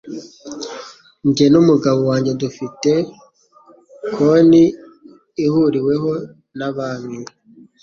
Jye n'umugabo wanjye dufite konti ihuriweho na banki.